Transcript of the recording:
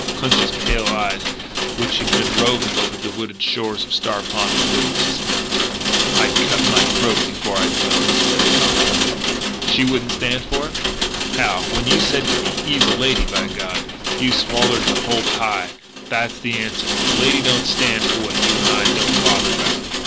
Clinch's pale eyes, which had been roving over the wooded shores of Star Pond, reverted to Smith. "I'd cut my throat before I'd tell her," he said softly. "She wouldn't stand for it?" "Hal, when you said to me, 'Eve's a lady, by God!' you swallered the hull pie. That's the answer. A lady don't stand for what you and I don't bother about."